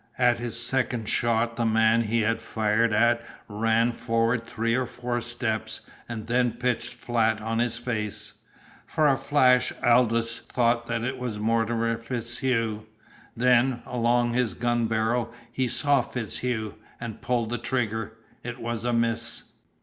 At his second shot the man he had fired at ran forward three or four steps, and then pitched flat on his face. For a flash Aldous thought that it was Mortimer FitzHugh. Then, along his gun barrel, he saw FitzHugh and pulled the trigger. It was a miss.